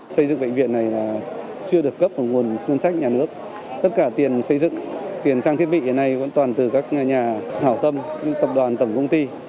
xây dựng bệnh viện này chưa được cấp vào nguồn tuyên sách nhà nước tất cả tiền xây dựng tiền trang thiết bị hiện nay toàn từ các nhà hảo tâm tập đoàn tổng công ty